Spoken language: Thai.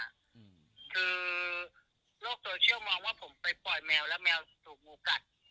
คือโลกโซเชียลมองว่าผมไปปล่อยแมวแล้วแมวถูกงูกัด